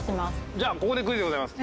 じゃここでクイズでございます。